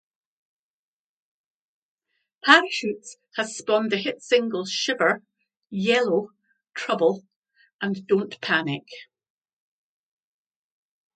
"Parachutes" has spawned the hit singles "Shiver", "Yellow", "Trouble", and "Don't Panic".